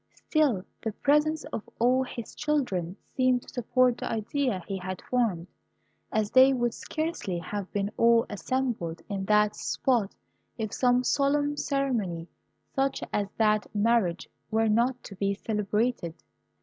Still, the presence of all his children seemed to support the idea he had formed, as they would scarcely have been all assembled in that spot if some solemn ceremony, such as that marriage, were not to be celebrated.